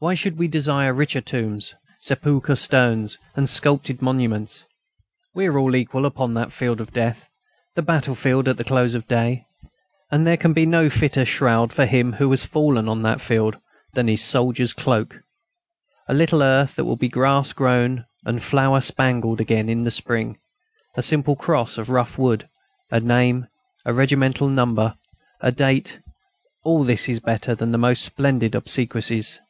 Why should we desire richer tombs, sepulchral stones, and sculptured monuments? We are all equal upon that field of death, the battlefield at the close of day. And there can be no fitter shroud for him who has fallen on that field than his soldier's cloak. A little earth that will be grass grown and flower spangled again in the spring, a simple cross of rough wood, a name, a regimental number, a date all this is better than the most splendid obsequies.